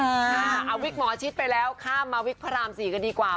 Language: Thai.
เอาวิกหมอชิดไปแล้วข้ามมาวิกพระราม๔กันดีกว่า